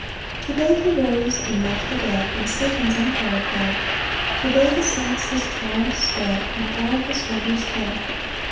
2 To day he rose and left the dead, And Satan's empire fell; To day the saints his triumphs spread, And all his wonders tell.